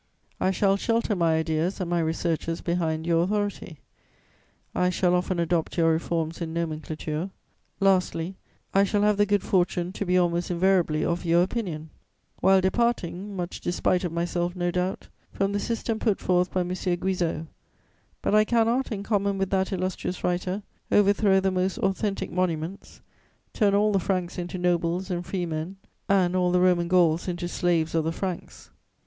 I shall shelter my ideas and my researches behind your authority; I shall often adopt your reforms in nomenclature; lastly, I shall have the good fortune to be almost invariably of your opinion, while departing, much despite of myself, no doubt, from the system put forth by M. Guizot; but I cannot, in common with that illustrious writer, overthrow the most authentic monuments, turn all the Franks into 'nobles' and 'free men,' and all the Roman Gauls into 'slaves of the Franks.'